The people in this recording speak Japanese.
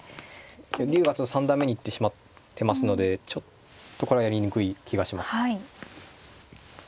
竜が三段目に行ってしまってますのでちょっとこれはやりにくい気がします。